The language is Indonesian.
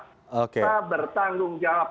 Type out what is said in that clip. saya bertanggung jawab